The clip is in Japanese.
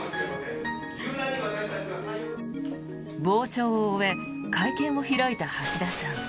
傍聴を終え会見を開いた橋田さん。